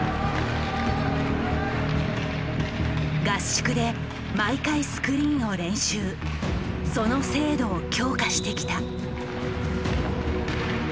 合宿で毎回スクリーンを練習その精度を強化してきた。